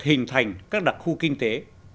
hình thành các đặc khu kinh tế